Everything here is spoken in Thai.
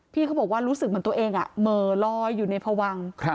พี่เขาบอกว่ารู้สึกเหมือนตัวเองเหม่อลอยอยู่ในพวัง